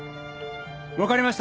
わかりました。